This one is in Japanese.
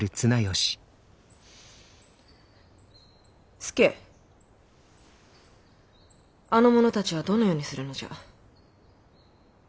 佐あの者たちはどのようにするのじゃ。